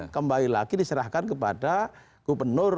kembali lagi diserahkan kepada gubernur